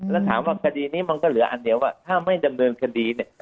แล้วถามว่าคดีนี้มันก็เหลืออันเดียวว่าถ้าไม่ดำเนินคดีเนี่ย